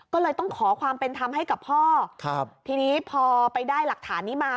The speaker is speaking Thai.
ก็เลยต้องขอความเป็นธรรมให้กับพ่อครับทีนี้พอไปได้หลักฐานนี้มา